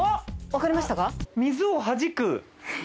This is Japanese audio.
分かりましたか？